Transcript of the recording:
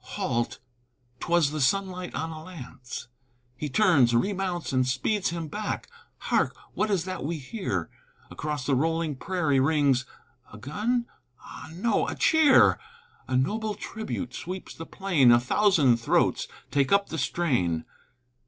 Halt! 'twas the sunlight on a lance! He turns, remounts, and speeds him back. Hark! what is that we hear? Across the rolling prairie rings A gun? ah, no a cheer! A noble tribute sweeps the plain: A thousand throats take up the strain.